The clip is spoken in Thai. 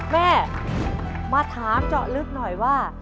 แม่มาถามเจาะลึกหน่อยว่า